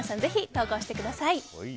ぜひ投稿してください。